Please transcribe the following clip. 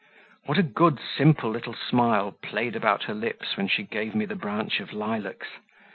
What a good, simple little smile played about her lips when she gave me the branch of lilacs!